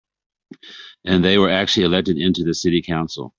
And they actually were elected into the city council.